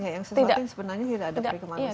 yang sebenarnya tidak ada perikimanusian sama sekali